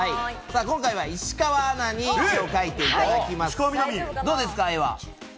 今回は石川アナに絵を描いていただきます。